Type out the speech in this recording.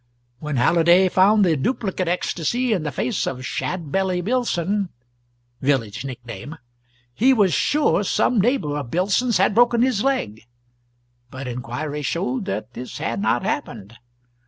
When Halliday found the duplicate ecstasy in the face of "Shadbelly" Billson (village nickname), he was sure some neighbour of Billson's had broken his leg, but inquiry showed that this had not happened.